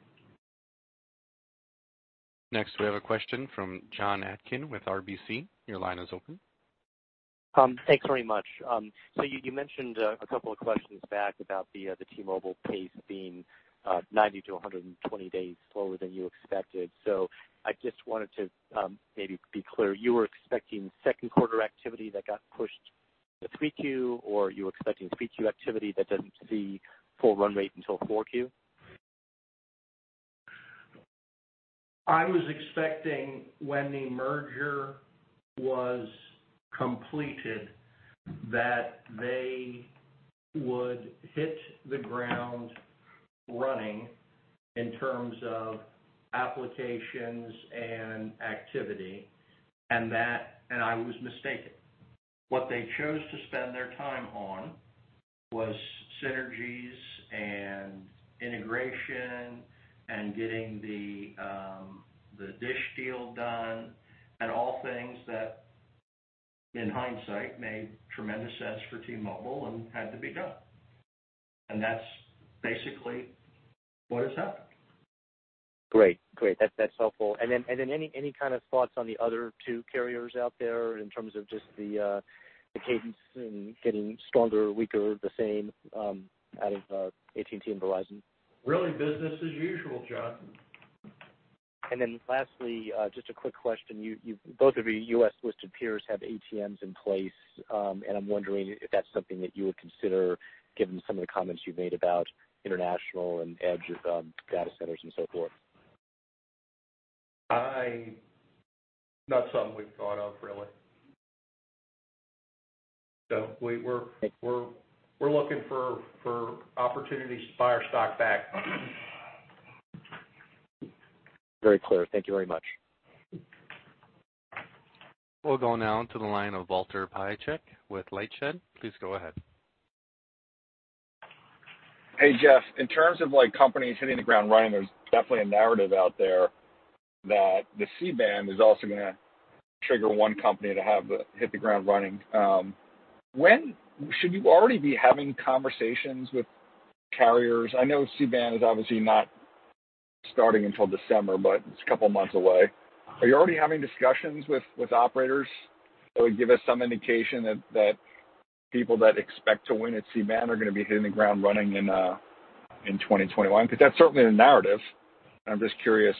Speaker 1: Next, we have a question from Jon Atkin with RBC. Your line is open.
Speaker 14: Thanks very much. So you mentioned a couple of questions back about the T-Mobile pace being 90-120 days slower than you expected. So I just wanted to maybe be clear. You were expecting Q2 activity that got pushed to 3Q, or you were expecting 3Q activity that doesn't see full run rate until 4Q?
Speaker 4: I was expecting when the merger was completed, that they would hit the ground running in terms of applications and activity, and that and I was mistaken. What they chose to spend their time on was synergies and integration and getting the Dish deal done, and all things that, in hindsight, made tremendous sense for T-Mobile and had to be done. And that's basically what has happened.
Speaker 14: Great, that's helpful. And then, any kind of thoughts on the other two carriers out there in terms of just the, the cadence in getting stronger or weaker, the same, out of, AT&T and Verizon?
Speaker 4: Really, business as usual, Jon.
Speaker 14: Then lastly, just a quick question. You both of your U.S.-listed peers have ATMs in place, and I'm wondering if that's something that you would consider, given some of the comments you've made about international and edge data centers and so forth.
Speaker 4: Not something we've thought of, really. So we're looking for opportunities to buy our stock back.
Speaker 14: Very clear. Thank you very much.
Speaker 1: We'll go now to the line of Walter Piecyk with LightShed. Please go ahead.
Speaker 15: Hey, Jeff. In terms of, like, companies hitting the ground running, there's definitely a narrative out there that the C-Band is also gonna trigger one company to have hit the ground running. When should you already be having conversations with carriers? I know C-Band is obviously not starting until December, but it's a couple months away. Are you already having discussions with operators that would give us some indication that people that expect to win at C-Band are gonna be hitting the ground running in 2021? Because that's certainly the narrative, and I'm just curious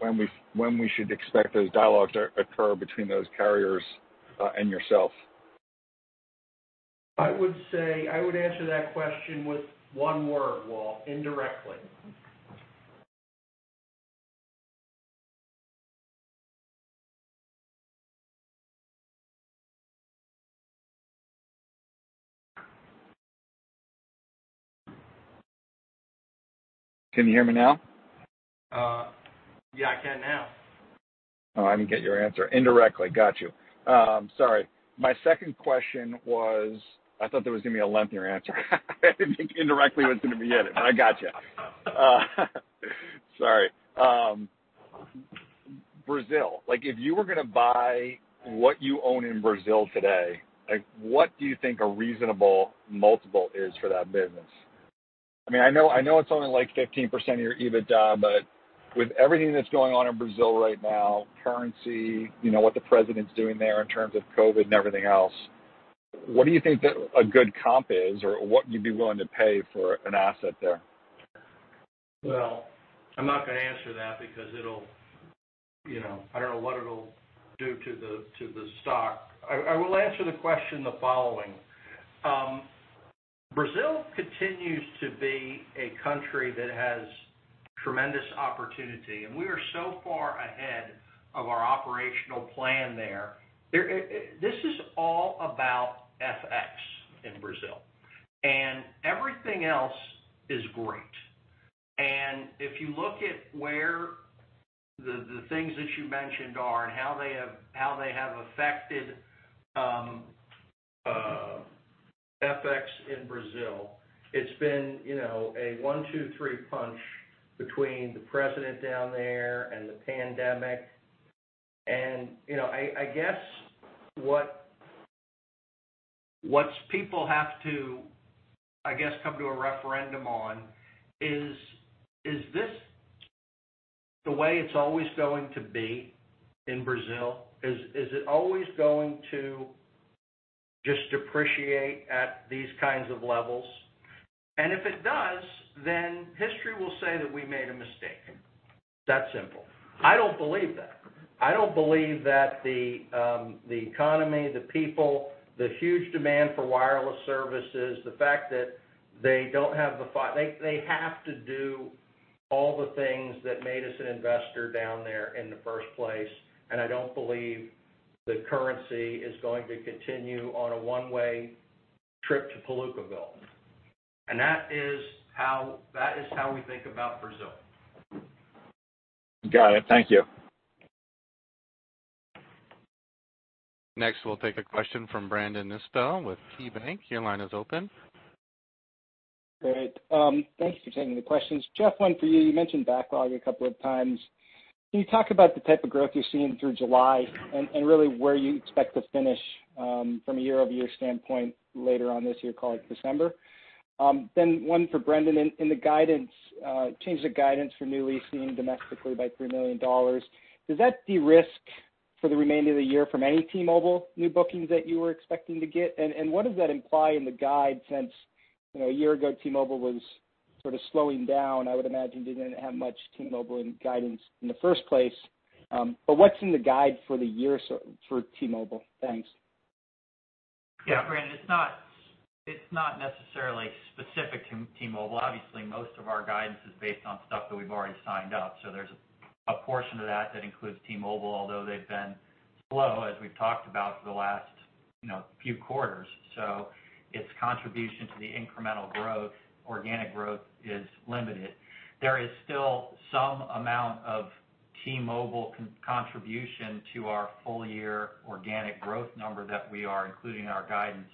Speaker 15: when we should expect those dialogues to occur between those carriers and yourself.
Speaker 4: I would say, I would answer that question with one word, Walt, indirectly.
Speaker 15: Can you hear me now?
Speaker 4: Yeah, I can now.
Speaker 15: Oh, I didn't get your answer. Indirectly, got you. Sorry. My second question was... I thought there was gonna be a lengthier answer. I didn't think indirectly was gonna be it, but I got you. Sorry. Brazil. Like, if you were gonna buy what you own in Brazil today, like, what do you think a reasonable multiple is for that business? I mean, I know, I know it's only, like, 15% of your EBITDA, but with everything that's going on in Brazil right now, currency, you know, what the president's doing there in terms of COVID and everything else, what do you think that a good comp is, or what you'd be willing to pay for an asset there?
Speaker 4: Well, I'm not gonna answer that because it'll, you know, I don't know what it'll do to the, to the stock. I, I will answer the question the following: Brazil continues to be a country that has tremendous opportunity, and we are so far ahead of our operational plan there. There, this is all about FX in Brazil, and everything else is great. And if you look at where the, the things that you mentioned are and how they have, how they have affected, FX in Brazil, it's been, you know, a 1, 2, 3 punch between the president down there and the pandemic. And, you know, I, I guess what, what people have to, I guess, come to a referendum on is, is this the way it's always going to be in Brazil? Is it always going to just depreciate at these kinds of levels? And if it does, then history will say that we made a mistake. It's that simple. I don't believe that. I don't believe that the economy, the people, the huge demand for wireless services, the fact that they have to do all the things that made us an investor down there in the first place, and I don't believe the currency is going to continue on a one-way trip to Palookaville. And that is how we think about Brazil.
Speaker 15: Got it. Thank you.
Speaker 1: Next, we'll take a question from Brandon Nispel with KeyBanc. Your line is open.
Speaker 16: Great. Thank you for taking the questions. Jeff, one for you. You mentioned backlog a couple of times. Can you talk about the type of growth you're seeing through July and really where you expect to finish from a year-over-year standpoint later on this year, call it December? Then one for Brendan. In the guidance, change the guidance for new leasing domestically by $3 million, does that de-risk for the remainder of the year from any T-Mobile new bookings that you were expecting to get? And what does that imply in the guide since, you know, a year ago, T-Mobile was sort of slowing down, I would imagine you didn't have much T-Mobile in guidance in the first place. But what's in the guide for the year so for T-Mobile? Thanks.
Speaker 4: Yeah, Brandon, it's not, it's not necessarily specific to T-Mobile. Obviously, most of our guidance is based on stuff that we've already signed up. So there's a portion of that that includes T-Mobile, although they've been slow, as we've talked about for the last, you know, few quarters. So its contribution to the incremental growth, organic growth, is limited. There is still some amount of T-Mobile contribution to our full year organic growth number that we are including in our guidance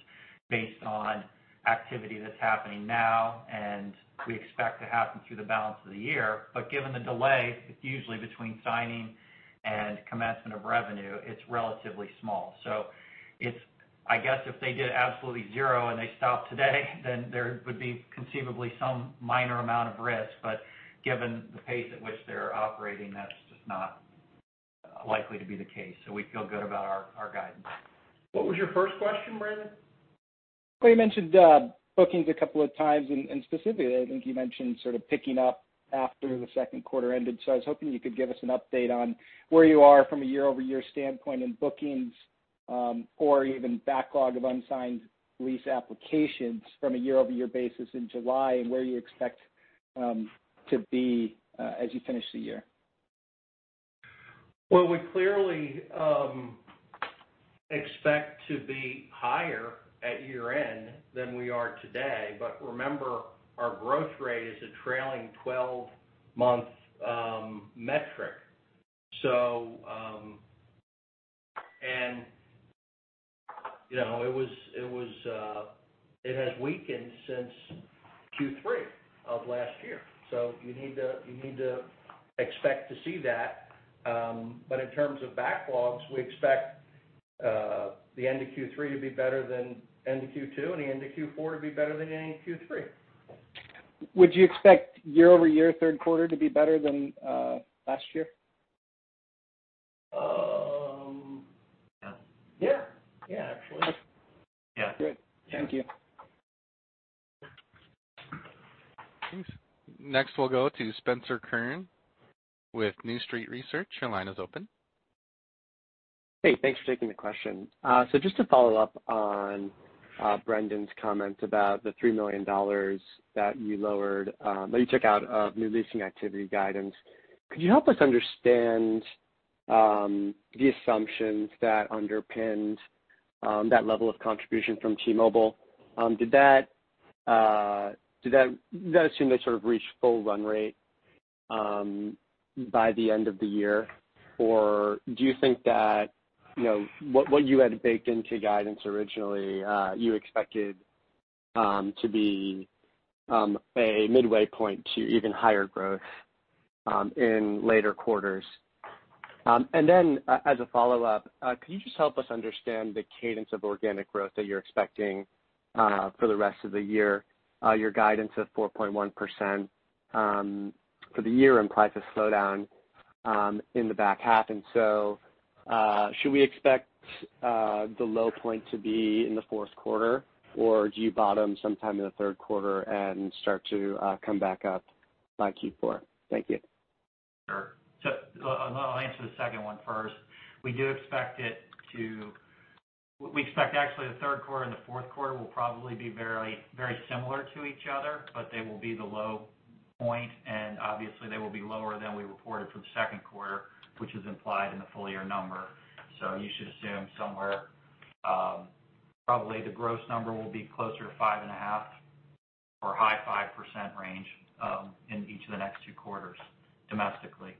Speaker 4: based on activity that's happening now, and we expect to happen through the balance of the year. But given the delay, it's usually between signing and commencement of revenue, it's relatively small. So it's, I guess, if they did absolutely zero and they stopped today, then there would be conceivably some minor amount of risk. But given the pace at which they're operating, that's just not likely to be the case, so we feel good about our guidance. What was your first question, Brendan?
Speaker 16: Well, you mentioned bookings a couple of times, and, and specifically, I think you mentioned sort of picking up after the Q2 ended. So I was hoping you could give us an update on where you are from a year-over-year standpoint in bookings, or even backlog of unsigned lease applications from a year-over-year basis in July, and where you expect to be as you finish the year.
Speaker 4: Well, we clearly expect to be higher at year-end than we are today. But remember, our growth rate is a trailing twelve-month metric. So, you know, it has weakened since Q3 of last year, so you need to, you need to expect to see that. But in terms of backlogs, we expect the end of Q3 to be better than end of Q2, and the end of Q4 to be better than the end of Q3.
Speaker 16: Would you expect year-over-year Q3 to be better than, last year?
Speaker 4: Yeah. Yeah, actually.
Speaker 16: Okay.
Speaker 4: Yeah.
Speaker 16: Great. Thank you.
Speaker 1: Thanks. Next, we'll go to Spencer Kurn with New Street Research. Your line is open.
Speaker 17: Hey, thanks for taking the question. So just to follow up on Brendan's comment about the $3 million that you lowered that you took out of new leasing activity guidance. Could you help us understand the assumptions that underpinned that level of contribution from T-Mobile? Did that assume they sort of reached full run rate by the end of the year? Or do you think that, you know, what you had baked into guidance originally you expected to be a midway point to even higher growth in later quarters? And then as a follow-up, could you just help us understand the cadence of organic growth that you're expecting for the rest of the year? Your guidance of 4.1% for the year implies a slowdown in the back half, and so, should we expect the low point to be in the Q4, or do you bottom sometime in the Q3 and start to come back up by Q4? Thank you.
Speaker 2: Sure. So I'll answer the second one first. We expect actually, the Q3 and the Q4 will probably be very, very similar to each other, but they will be the low point, and obviously, they will be lower than we reported for the Q2, which is implied in the full year number. So you should assume somewhere, probably the gross number will be closer to 5.5 or high 5% range, in each of the next two quarters, domestically.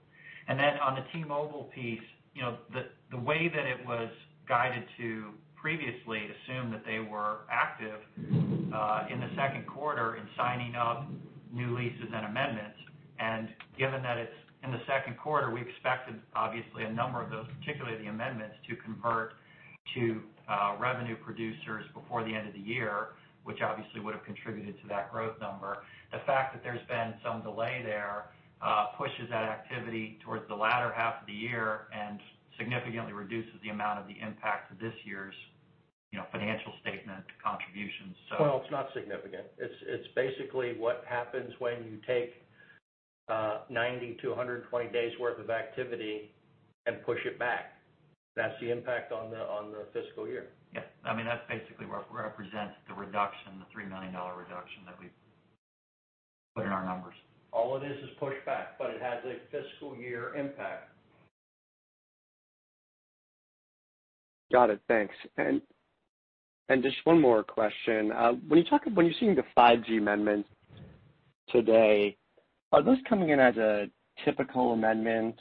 Speaker 2: And then on the T-Mobile piece, you know, the way that it was guided to previously assumed that they were active in the Q2 in signing up new leases and amendments. Given that it's in the Q2, we expected, obviously, a number of those, particularly the amendments, to convert to revenue producers before the end of the year, which obviously would have contributed to that growth number. The fact that there's been some delay there pushes that activity towards the latter half of the year and significantly reduces the amount of the impact to this year's, you know, financial statement contributions, so-
Speaker 4: Well, it's not significant. It's basically what happens when you take 90-120 days worth of activity and push it back. That's the impact on the fiscal year.
Speaker 2: Yeah. I mean, that's basically what represents the reduction, the $3 million reduction that we've put in our numbers.
Speaker 4: All it is, is pushed back, but it has a fiscal year impact.
Speaker 16: Got it, thanks. And just one more question. When you're seeing the 5G amendments today, are those coming in as a typical amendment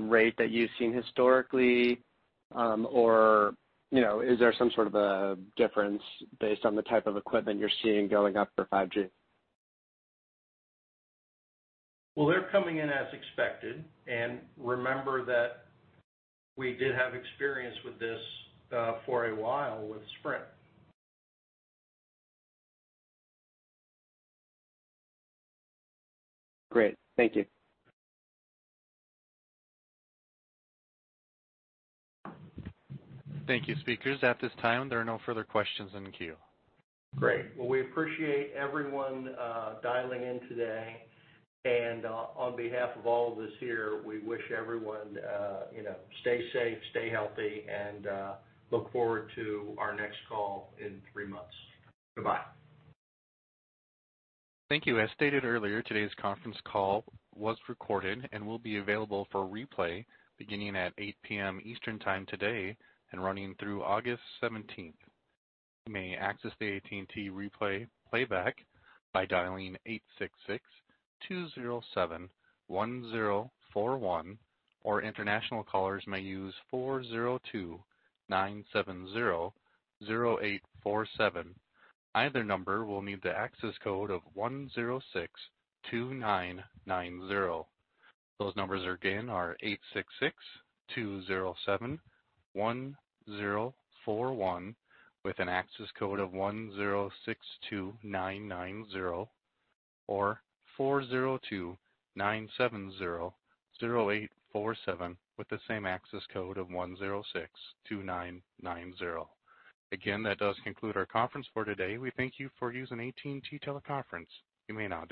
Speaker 16: rate that you've seen historically? Or, you know, is there some sort of a difference based on the type of equipment you're seeing going up for 5G?
Speaker 4: Well, they're coming in as expected. And remember that we did have experience with this, for a while with Sprint.
Speaker 16: Great. Thank you.
Speaker 1: Thank you, speakers. At this time, there are no further questions in the queue.
Speaker 4: Great. Well, we appreciate everyone dialing in today. On behalf of all of us here, we wish everyone you know, stay safe, stay healthy, and look forward to our next call in three months. Goodbye.
Speaker 1: Thank you. As stated earlier, today's conference call was recorded and will be available for replay beginning at 8PM. Eastern Time today and running through August 17. You may access the AT&T replay playback by dialing 866-207-1041, or international callers may use 402-970-0847. Either number will need the access code of 1062990. Those numbers again are 866-207-1041, with an access code of 1062990, or 402-970-0847, with the same access code of 1062990. Again, that does conclude our conference for today. We thank you for using AT&T Teleconference. You may now disconnect.